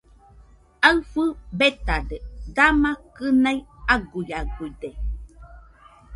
Aɨfɨ betade, dama kɨnaɨ aguiaguide.